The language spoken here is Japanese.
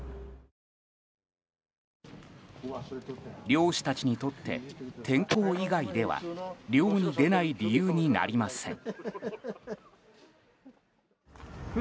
漁師たちにとって天候以外では漁に出ない理由になりません。